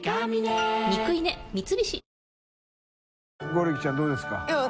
剛力ちゃんどうですか？